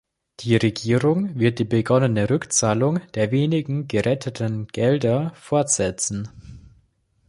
Die Regierung wird die begonnene Rückzahlung der wenigen geretteten Gelder fortsetzen.